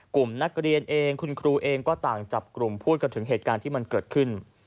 กลุ่มนักเรียนเองคุณครูเองก็ต่างจับกลุ่มพูดกันถึงเหตุการณ์ที่มันเกิดขึ้น